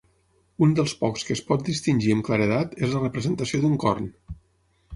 Un dels pocs que es pot distingir amb claredat és la representació d'un corn.